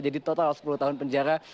jadi total sepuluh tahun penjara